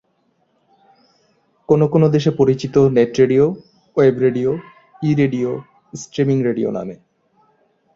কোনো কোনো দেশে পরিচিত net radio, web radio, e radio, streaming radio নামে।